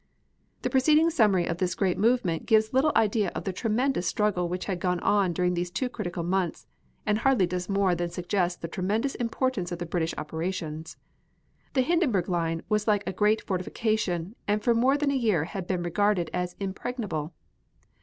The preceding summary of this great movement gives little idea of the tremendous struggle which had gone on during these two critical months, and hardly does more than suggest the tremendous importance of the British operations. The Hindenburg line was like a great fortification, and for more than a year had been regarded as impregnable.